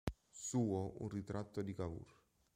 Suo un ritratto di Cavour.